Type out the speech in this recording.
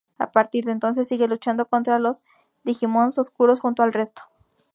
A partir de entonces sigue luchando contra los Digimons oscuros junto al resto.